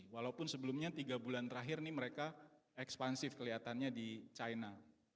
walaupun sebelumnya tiga bulan terakhir ini mereka ekspansif kelihatannya di china